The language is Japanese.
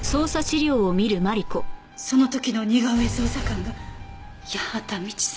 その時の似顔絵捜査官が八幡未知さん。